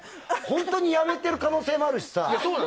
本当にやめてる可能性もあるしさ。